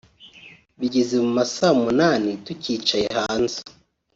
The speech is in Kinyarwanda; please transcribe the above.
Bigeze mu ma saa munani tukicaye hanze